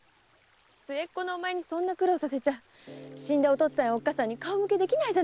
末っ子のおまえにそんな苦労させちゃ死んだお父っつぁんやおっかさんに顔向けできないよ。